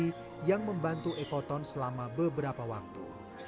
keguruan tinggi yang membantu epoton selama beberapa waktu